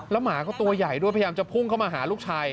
แล้วหมาตัวใหญ่เลยพยายามจะพุ่งเข้ามาหาลูกชาย